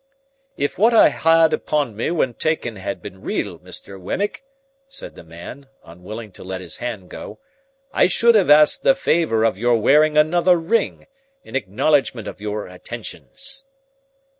"If what I had upon me when taken had been real, Mr. Wemmick," said the man, unwilling to let his hand go, "I should have asked the favour of your wearing another ring—in acknowledgment of your attentions."